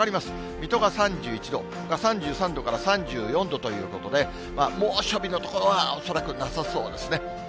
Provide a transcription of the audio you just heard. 水戸が３１度、ほか３３度から３４度ということで、猛暑日の所は恐らくなさそうですね。